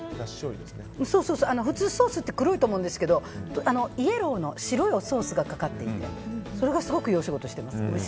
普通、ソースって黒いと思うんですけどイエローの白いおソースがかかっていてそれがすごくいい仕事しています。